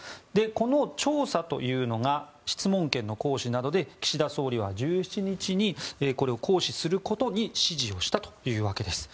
この調査というのが質問権の行使などで岸田総理は１７日にこれを行使することに指示したということです。